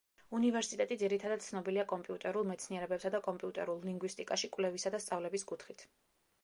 უნივერსიტეტი ძირითადად ცნობილია კომპიუტერულ მეცნიერებებსა და კომპიუტერულ ლინგვისტიკაში კვლევისა და სწავლების კუთხით.